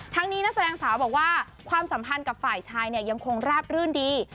นี้นักแสดงสาวบอกว่าความสัมพันธ์กับฝ่ายชายเนี่ยยังคงราบรื่นดี